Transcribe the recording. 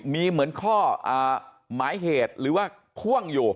มีเหมือนข้อหมายเหตุหรือว่าพ่วงอยู่